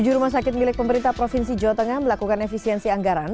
tujuh rumah sakit milik pemerintah provinsi jawa tengah melakukan efisiensi anggaran